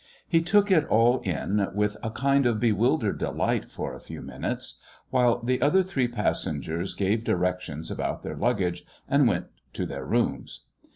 He took it all in with a kind of bewildered delight for a few minutes, while the other three passengers gave directions about their luggage and went to their rooms.